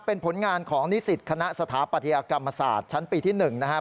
เป็นผลงานของนิสิตคณะสถาปัตยกรรมศาสตร์ชั้นปีที่๑นะครับ